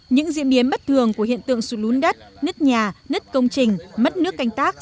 những diễn biến bất thường của hiện tượng sụt lún đất nứt nhà nứt công trình mất nước canh tác